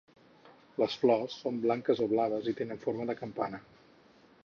Les flors són blanques o blaves i tenen forma de campana.